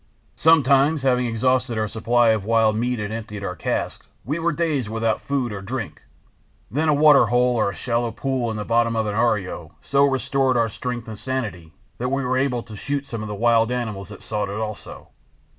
Sometimes, having exhausted our supply of wild meat and emptied our casks, we were days without food or drink; then a water hole or a shallow pool in the bottom of an arroyo so restored our strength and sanity that we were able to shoot some of the wild animals that sought it also.